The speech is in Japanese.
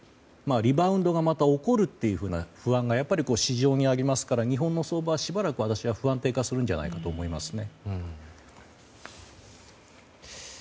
リバウンドが起こるという不安がやっぱり市場にありますから日本の相場はしばらく私は不安定化するんじゃないかと思いますね。